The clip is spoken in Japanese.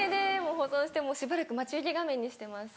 保存してしばらく待ち受け画面にしてます。